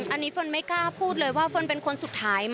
อันนี้เฟิร์นไม่กล้าพูดเลยว่าเฟิร์นเป็นคนสุดท้าย